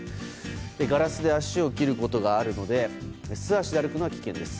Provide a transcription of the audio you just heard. ガラスで足を切ることがあるので素足で歩くのは危険です。